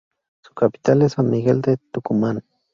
Su capital es San Miguel de Tucumán.